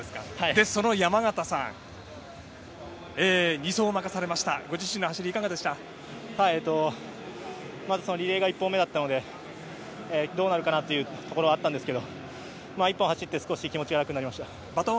山縣さん、２走を任されましリレーが１本目だったのでどうなるかなというところはあったんですけれど、１本走って少し気持ちが楽になりました。